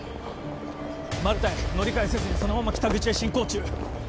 マルタイ乗り換えせずにそのまま北口へ進行中